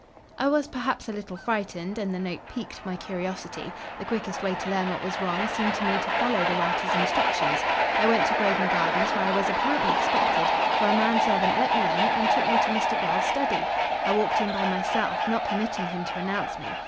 "I was perhaps a little frightened and the note piqued my curiosity. The quickest way to learn what was wrong seemed to me to follow the writer's instructions. I went to Grosvenor Gardens, where I was apparently expected, for a man servant let me in and took me to Mr. Grell's study. I walked in by myself, not permitting him to announce me.